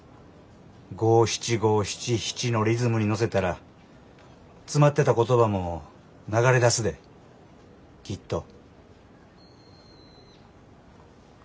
五七五七七のリズムに乗せたら詰まってた言葉も流れ出すできっと。